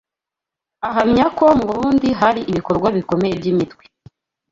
ahamya ko mu Burundi hari ibikorwa bikomeye by’imitwe